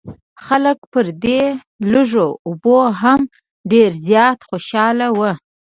خلک پر دې لږو اوبو هم ډېر زیات خوشاله وو.